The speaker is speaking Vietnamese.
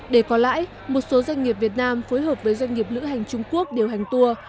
để có lãi một số doanh nghiệp việt nam phối hợp với doanh nghiệp lữ hành trung quốc điều hành tour